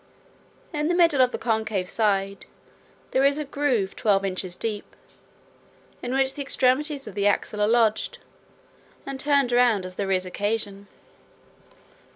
In the middle of the concave side, there is a groove twelve inches deep, in which the extremities of the axle are lodged, and turned round as there is occasion.